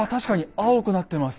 青くなってます。